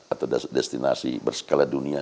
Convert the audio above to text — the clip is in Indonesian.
atau destinasi bersekala dunia